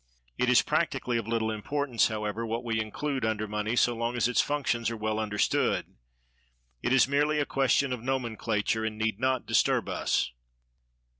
It is practically of little importance, however, what we include under money, so long as its functions are well understood; it is merely a question of nomenclature, and need not disturb us.